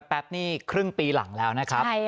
แป๊บนี่ครึ่งปีหลังแล้วนะครับ